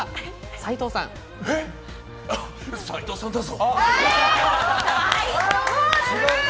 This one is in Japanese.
斉藤さんだぞ！